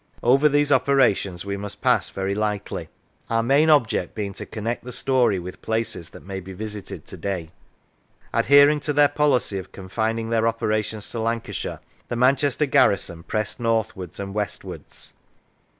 Over these operations we must pass very lightly, our main object being to connect the story with places that may be visited to day. Adhering to their policy of confining their operations to Lancashire, the Manchester garrison pressed north wards and westwards.